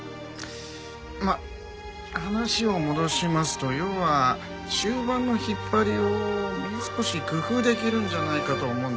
まあ話を戻しますと要は終盤の引っ張りをもう少し工夫できるんじゃないかと思うんです。